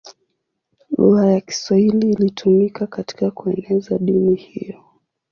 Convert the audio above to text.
Lugha ya Kiswahili ilitumika katika kueneza dini hiyo.